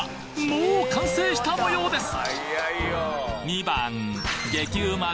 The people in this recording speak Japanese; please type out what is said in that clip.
もう完成した模様です！